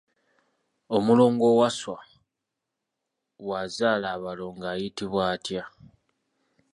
Omulongo Wasswa bw'azaala abalongo ayitibwa atya?